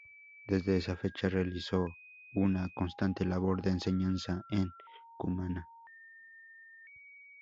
Desde esa fecha realizó una constante labor de enseñanza en Cumaná.